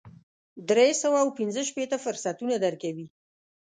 درې سوه او پنځه شپېته فرصتونه درکوي.